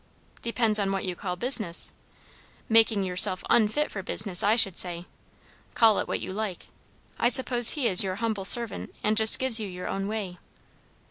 "Depends on what you call business. Making yourself unfit for business, I should say. Call it what you like. I suppose he is your humble servant, and just gives you your own way."